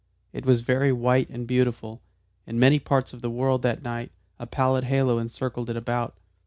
It was very white and beautiful. In many parts of the world that night a pallid halo encircled it about.